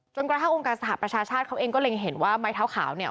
กระทั่งองค์การสหประชาชาติเขาเองก็เล็งเห็นว่าไม้เท้าขาวเนี่ย